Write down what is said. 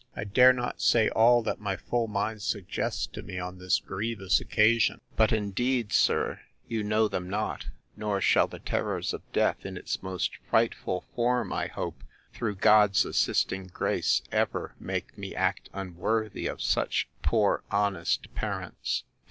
I dare not say all that my full mind suggests to me on this grievous occasion—But, indeed, sir, you know them not; nor shall the terrors of death, in its most frightful form, I hope, through God's assisting grace, ever make me act unworthy of such poor honest parents!